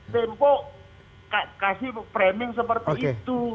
tempo kasih framing seperti itu